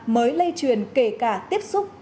mới lây truyền kể cả tiếp xúc